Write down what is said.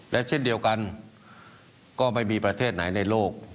และเช่นเดียวกันก็ไม่มีประเทศไหนในโลก